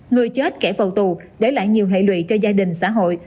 người chết kẻ cầu tù để lại nhiều hệ lụy cho gia đình xã hội